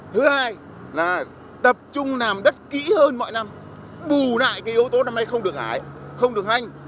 thứ hai là tập trung làm đất kỹ hơn mọi năm bù lại cái yếu tố năm nay không được ai không được hanh